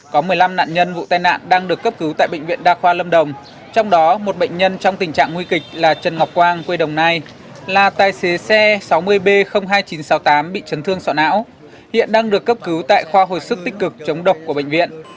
có một mươi năm nạn nhân vụ tai nạn đang được cấp cứu tại bệnh viện đa khoa lâm đồng trong đó một bệnh nhân trong tình trạng nguy kịch là trần ngọc quang quê đồng nai là tài xế xe sáu mươi b hai nghìn chín trăm sáu mươi tám bị chấn thương sọ não hiện đang được cấp cứu tại khoa hồi sức tích cực chống độc của bệnh viện